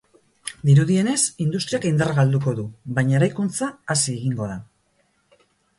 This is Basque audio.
Dirudienez, industriak indarra galduko du, baina eraikuntza hazi egingo da.